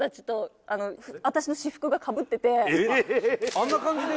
あんな感じで？